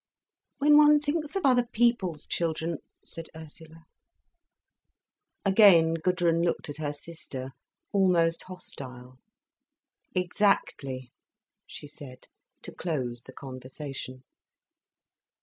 "When one thinks of other people's children—" said Ursula. Again Gudrun looked at her sister, almost hostile. "Exactly," she said, to close the conversation.